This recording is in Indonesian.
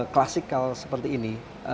klasikal seperti ini